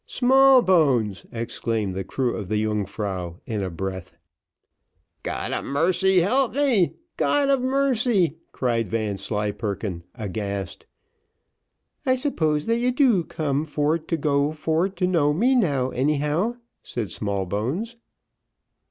"Smallbones!" exclaimed the crew of the Yungfrau in a breath. "God of mercy help me, God of mercy!" cried Vanslyperken, aghast. "I suppose that you do come for to go to know me now, anyhow," said Smallbones.